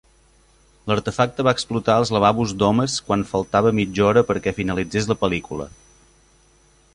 L'artefacte va explotar als lavabos d'homes quan faltava mitja hora perquè finalitzés la pel·lícula.